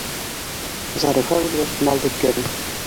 Зарифа үлгәс, мал бөткән.